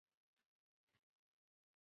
洛苏人口变化图示